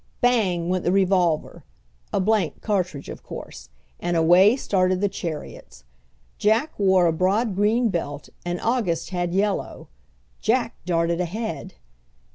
Bang! went the revolver (a blank cartridge, of course) and away started the chariots. Jack wore a broad green belt and August had yellow. Jack darted ahead!